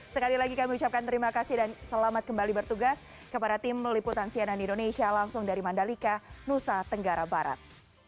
sekali lagi kami ucapkan terima kasih dan selamat kembali bertugas kepada tim liputan cnn indonesia langsung dari mandalika nusa tenggara barat